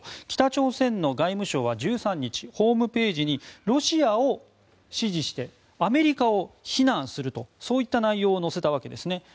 北朝鮮の外務省は１３日ホームページにロシアを支持してアメリカを非難するとそういった内容を載せたわけです。